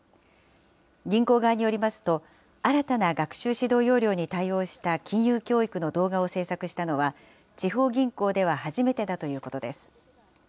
銀行側によりますと、新たな学習指導要領に対応した金融教育の動画を制作したのは、地方銀行では初めてだということです。